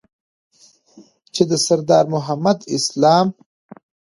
چې د سردار محمد اسلام